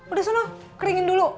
udah suno keringin dulu